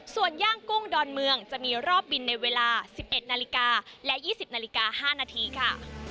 ส่วนย่างกุ้งดอนเมืองจะมีรอบบินในเวลา๑๑นาฬิกาและ๒๐นาฬิกา๕นาทีค่ะ